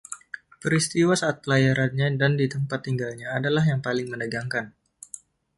Peristiwa saat pelayarannya dan di tempat tinggalnya adalah yang paling menegangkan.